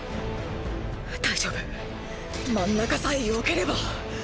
大丈夫真ん中さえ避ければ！